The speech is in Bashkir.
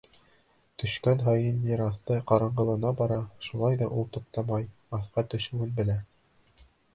Төшкән һайын ер аҫты ҡараңғылана бара, шулай ҙа ул туҡтамай, аҫҡа төшөүен белә.